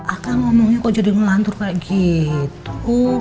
akan ngomongnya kok jadi melantur kayak gitu